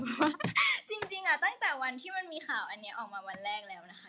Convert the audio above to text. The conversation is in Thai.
เพราะว่าจริงตั้งแต่วันที่มันมีข่าวอันนี้ออกมาวันแรกแล้วนะคะ